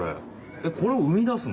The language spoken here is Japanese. えっこれをうみだすの？